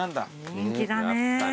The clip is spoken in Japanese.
人気だね。